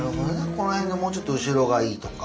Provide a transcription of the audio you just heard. この辺のもうちょっと後ろがいいとか。